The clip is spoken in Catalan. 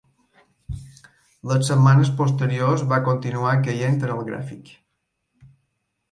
Les setmanes posteriors, va continuar caient en el gràfic.